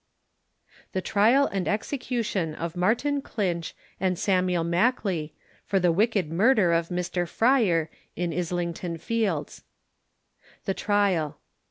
THE TRIAL AND EXECUTION OF MARTIN CLINCH & SAMUEL MACKLEY, For the Wicked Murder of Mr. Fryer, in Islington Fields. THE TRIAL.